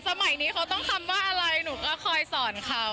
สมัยนี้เขาต้องคำว่าอะไรหนูก็คอยสอนเขา